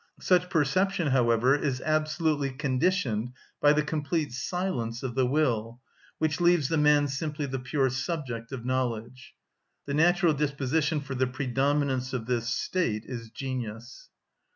Such perception, however, is absolutely conditioned by the complete silence of the will, which leaves the man simply the pure subject of knowledge. The natural disposition for the predominance of this state is genius.